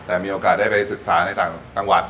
แต่มีโอกาสได้ไปศึกษาในต่างจังหวัด